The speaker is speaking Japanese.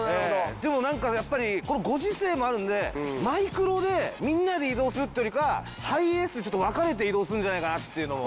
でもなんかやっぱりこのご時世もあるんでマイクロでみんなで移動するってよりかハイエースで分かれて移動するんじゃないかなっていうのを。